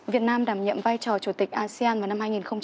việt nam đảm nhiệm vai trò chủ tịch asean vào năm hai nghìn hai mươi